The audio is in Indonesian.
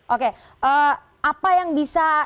oke apa yang bisa